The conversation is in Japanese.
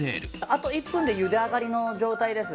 あと１分でゆで上がりの状態です。